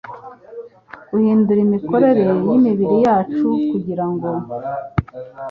guhindura imikorere y’imibiri yacu, kugira ngo